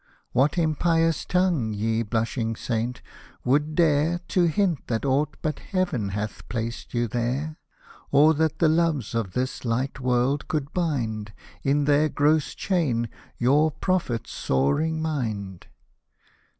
— What impious tongue, ye blushing saints, would dare To hint that aught but Heaven hath placed you there ? Or that the loves of this light world could bind. In their gross chain, your Prophet's soaring mind